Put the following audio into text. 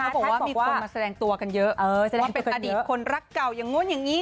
บอกว่ามีคนมาแสดงตัวกันเยอะแสดงว่าเป็นอดีตคนรักเก่าอย่างนู้นอย่างนี้